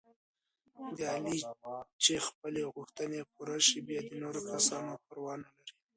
د علي چې خپلې غوښتنې پوره شي، بیا د نورو کسانو پروا نه لري.